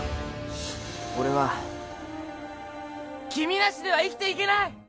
俺は君なしでは生きていけない！